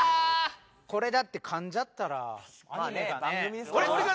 これだって噛んじゃったらアニメがね